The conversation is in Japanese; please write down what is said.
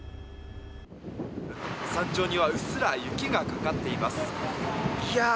山頂にはうっすら雪がかかっています。